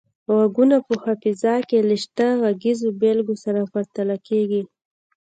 غږونه په حافظه کې له شته غږیزو بیلګو سره پرتله کیږي